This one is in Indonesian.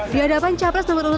di hadapan capres nomor urut